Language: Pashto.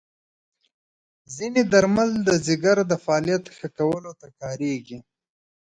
ځینې درمل د جګر د فعالیت ښه کولو ته کارېږي.